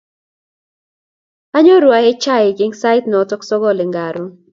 Anyoru ae chaik eng sait nebo sogol eng koron